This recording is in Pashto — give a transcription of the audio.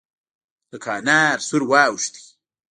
لکه انار سور واوښت.